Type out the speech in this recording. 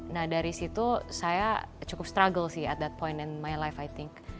nah dari situ saya cukup struggle sih at that point in my life i think